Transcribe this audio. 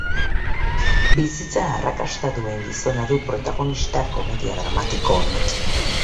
Bizitzan arrakasta duen gizona du protagonista komedia dramatiko honek.